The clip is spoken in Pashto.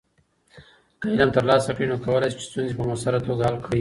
که علم ترلاسه کړې، نو کولی شې چې ستونزې په مؤثره توګه حل کړې.